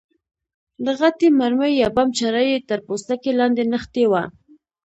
د غټې مرمۍ یا بم چره یې تر پوستکي لاندې نښتې وه.